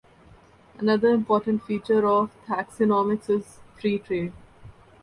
Another important feature of Thaksinomics, is free trade.